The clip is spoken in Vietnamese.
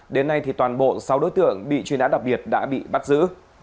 ba đối tượng bị truy nãn đặc biệt đã bị bắt giữ